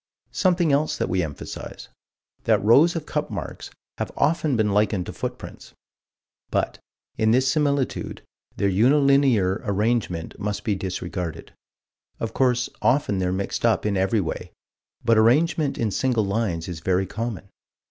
Something else that we emphasize: That rows of cup marks have often been likened to footprints. But, in this similitude, their unilinear arrangement must be disregarded of course often they're mixed up in every way, but arrangement in single lines is very common.